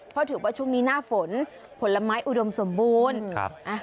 เพราะถือว่าช่วงนี้หน้าฝนผลไม้อุดมสมบูรณ์